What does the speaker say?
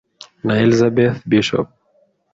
na Elizabeth Bishop